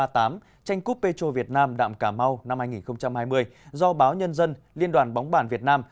tranh cúp petro việt nam đạm cà mau năm hai nghìn hai mươi do báo nhân dân liên đoàn bóng bản việt nam